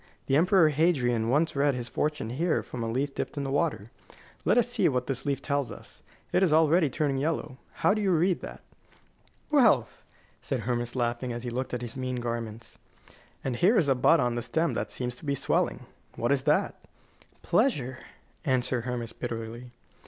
The Emperor Hadrian once read his fortune here from a leaf dipped in the water. Let us see what this leaf tells us. It is already turning yellow. How do you read that?" "Wealth," said Hermas, laughing, as he looked at his mean garments. "And here is a bud on the stem that seems to be swelling. What is that?" "Pleasure," answered Hermas, bitterly.